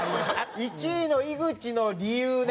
１位の井口の理由ね。